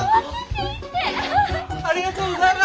ありがとうございます！